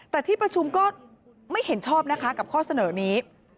แต่ที่ประชุมก็ไม่เห็นชอบนะคะกับข้อเสนอนี้